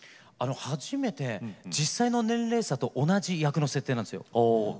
初めて実際の年齢差と同じ役の設定なんですよ。